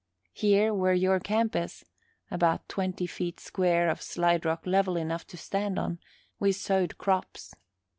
Here where your camp is" about twenty feet square of slide rock level enough to stand on "we sowed crops.